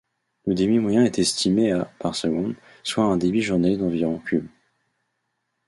Le débit moyen est estimé à par seconde, soit un débit journalier d'environ cubes.